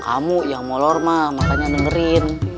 kamu yang molor mah makanya dengerin